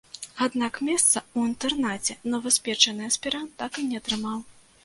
Аднак месца ў інтэрнаце новаспечаны аспірант так і не атрымаў.